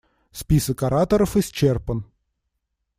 Список ораторов исчерпан.